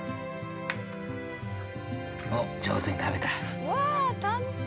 おっ上手に食べた。